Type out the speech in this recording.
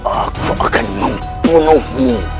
aku akan membunuhmu